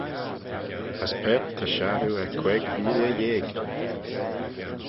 As paart ta shassoo er queig veeilley yeig.